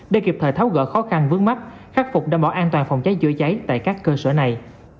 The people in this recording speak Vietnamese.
để kịp thời tháo gỡ khó khăn vướng mắt khắc phục đảm bảo an toàn phòng cháy chữa cháy tại các cơ sở này